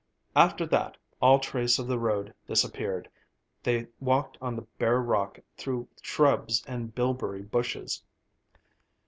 After that, all trace of the road disappeared; they walked on the bare rock through shrubs and bilberry bushes.